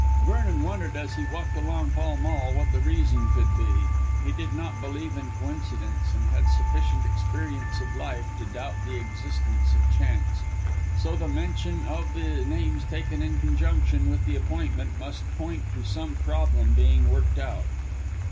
Vernon wondered as he walked along Pall Mall what the reason could be. He did not believe in coincidence, and had sufficient experience of life to doubt the existence of chance, so the mention of the names taken in conjunction with the appointment must point to some problem being worked out.